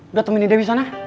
udah temenin dewi sana